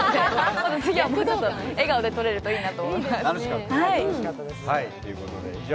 次はもうちょっと笑顔で撮れるといいなと思いました。